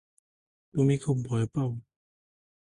তুমি খুব ভয় পাও।